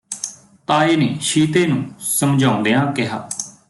ਤਾਏ ਨੇ ਸ਼ੀਤੇ ਨੂੰ ਸਮਝਾਉਂਦਿਆਂ ਕਿਹਾ